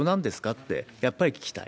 って、やっぱり聞きたい。